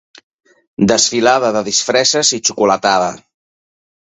Desfilada de disfresses i xocolatada.